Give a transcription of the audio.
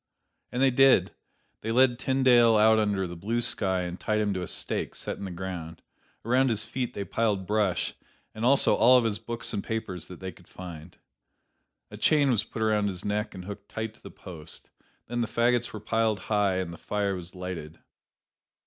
And they did. They led Tyndale out under the blue sky and tied him to a stake set in the ground. Around his feet they piled brush, and also all of his books and papers that they could find. A chain was put around his neck and hooked tight to the post. Then the fagots were piled high, and the fire was lighted.